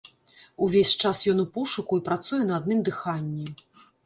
Увесь час ён у пошуку і працуе на адным дыханні.